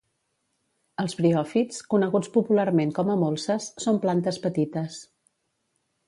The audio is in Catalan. Els briòfits, coneguts popularment com a molses, són plantes petites